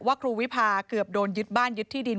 ครูวิพาเกือบโดนยึดบ้านยึดที่ดิน